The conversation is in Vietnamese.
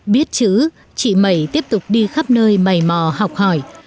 biết chữ chị mẩy tiếp tục đi khắp nơi mầy mò học hỏi